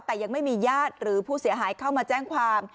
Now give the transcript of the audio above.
แต่ยังไม่มีญาติหรือผู้เสียหายเข้ามาแจ้งความ